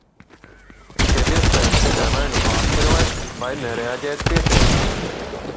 Šķiet, iespējams tikai vai nu pārspīlēt, vai nereaģēt pietiekami.